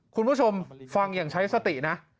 คุณผู้ชมฟังอย่างใช้สตินะ